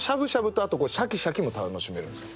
あとシャキシャキも楽しめるんですよ。